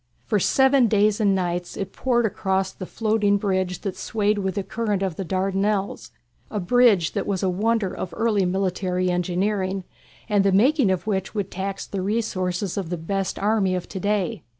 For seven days and nights it poured across the floating bridge that swayed with the current of the Dardanelles, a bridge that was a wonder of early military engineering, and the making of which would tax the resources of the best army of to day.